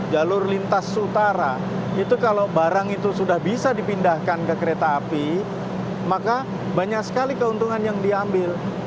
jalur lintas utara itu kalau barang itu sudah bisa dipindahkan ke kereta api maka banyak sekali keuntungan yang diambil